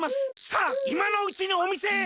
『さあいまのうちにおみせへ！』